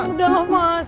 udah lah mas